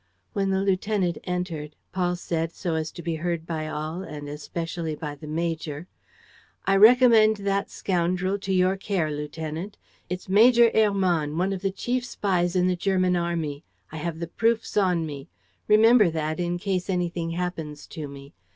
When the lieutenant entered, Paul said, so as to be heard by all and especially by the major: "I recommend that scoundrel to your care, lieutenant. It's Major Hermann, one of the chief spies in the German army. I have the proofs on me. Remember that, in case anything happens to me.